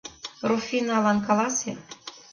— Руфиналан каласе...